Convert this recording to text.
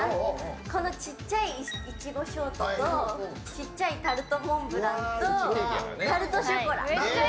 このちっちゃいイチゴショートとちっちゃいタルトモンブランとタルトショコラ。